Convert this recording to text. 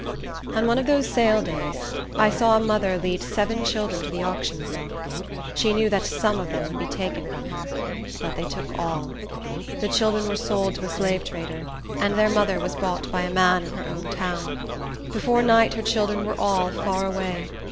On one of these sale days, I saw a mother lead seven children to the auction block. She knew that some of them would be taken from her; but they took all. The children were sold to a slave trader, and their mother was bought by a man in her own town. Before night her children were all far away.